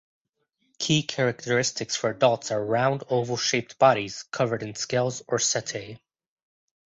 Key characteristics for adults are round oval shaped bodies covered in scales or setae.